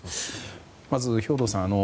まず、兵頭さん。